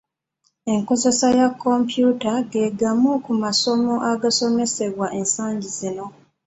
Enkozesa ya kompyuta ge gamu ku masomo agasomesebwa ensangi zino.